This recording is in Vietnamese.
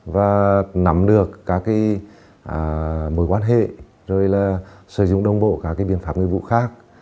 và nắm được các cái mối quan hệ rồi là sử dụng đồng bộ các cái biện pháp người vụ khác